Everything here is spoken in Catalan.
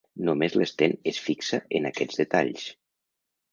Només l'Sten es fixa en aquests detalls.